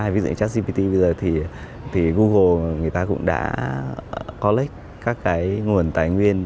ví dụ như chắc gpt bây giờ thì google người ta cũng đã collect các cái nguồn tài nguyên